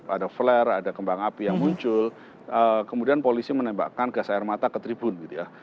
ada flare ada kembang api yang muncul kemudian polisi menembakkan gas air mata ke tribun gitu ya